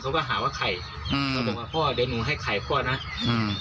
เขาก็หาว่าไข่อืมเขาบอกว่าพ่อเดี๋ยวหนูให้ไข่พ่อนะอืม